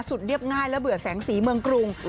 เรียบง่ายและเบื่อแสงสีเมืองกรุง